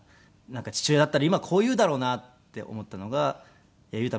父親だったら今こう言うだろうなって思ったのが裕太